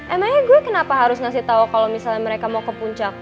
emangnya gue kenapa harus ngasih tau kalau misalnya mereka mau ke puncak